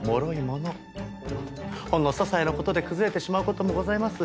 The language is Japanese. ほんのささいな事で崩れてしまう事もございます。